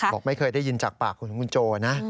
บอกไม่เคยได้ยินจากปากของคุณโจนะ